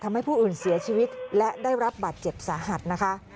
ผู้อื่นเสียชีวิตและได้รับบาดเจ็บสาหัสนะคะ